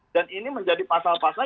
dan ini menjadi pasal pasal